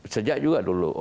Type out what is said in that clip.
sejak juga dulu